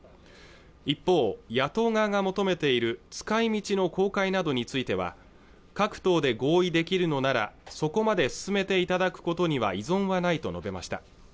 一方野党側が求めている使いみちの公開などについては各党で合意できるのならそこまで進めていただくことには異存はないと述べました